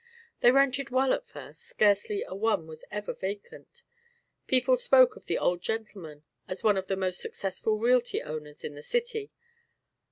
They rented well at first, scarcely a one was ever vacant. People spoke of the Old Gentleman as one of the most successful realty owners in the city.